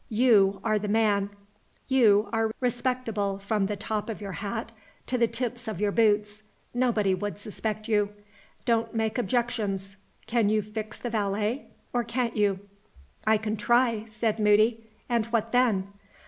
You are the man you are respectable from the top of your hat to the tips of your boots; nobody would suspect You. Don't make objections! Can you fix the valet? Or can't you?" "I can try," said Moody. "And what then?"